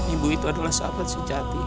ibu itu adalah sahabat sejati